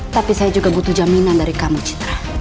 tapi saya juga butuh jaminan dari kamu citra